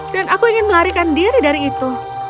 dan aku ingin melarikan diri dari itu